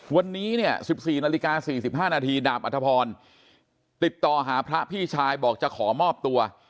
วันนี้เนี่ย๑๔นาฬิกา๔๕นาทีดาบอัธพรติดต่อหาพระพี่ชายบอกจะขอมอบตัว